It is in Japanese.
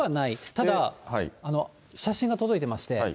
ただ、写真が届いてまして。